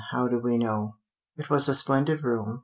HOW DO WE KNOW? It was a splendid room.